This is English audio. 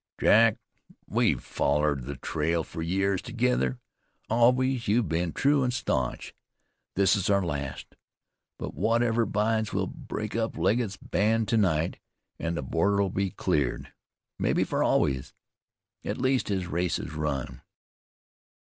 "Jack, we've follered the trail fer years together. Always you've been true an' staunch. This is our last, but whatever bides we'll break up Legget's band to night, an' the border'll be cleared, mebbe, for always. At least his race is run.